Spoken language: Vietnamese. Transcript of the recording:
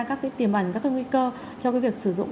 các tiềm ẩn các nguy cơ cho việc sử dụng